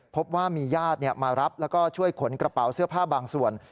พบว่ามีญาติมารับแล้วก็ช่วยขนกระเป๋าเสื้อผ้าบางส่วน